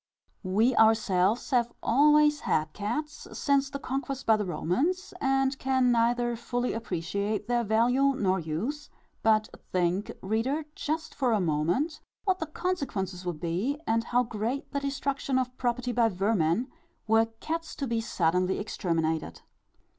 We ourselves have always had cats, since the conquest by the Romans, and can neither fully appreciate their value nor use; but think, reader, just for a moment, what the consequences would be, and how great the destruction of property by vermin, were cats to be suddenly exterminated.